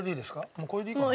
もうこれでいいかな？